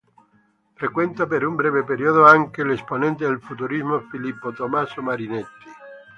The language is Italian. Frequenta per un breve periodo anche l’esponente del Futurismo Filippo Tommaso Marinetti.